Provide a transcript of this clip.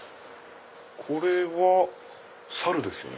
これはサルですよね？